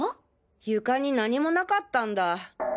床に何も無かったんだ。